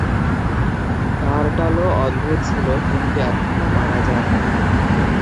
টারটালো অন্ধ ছিল, কিন্তু এখনো মারা যায়নি।